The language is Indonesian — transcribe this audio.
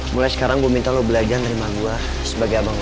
mulai sekarang gue minta lo belajar nerima gue sebagai abang